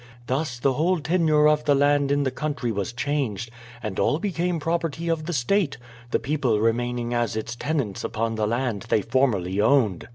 Thus the whole tenure of the land in the country was changed, and all became the property of the state, the people remaining as its tenants upon the land they formerly owned.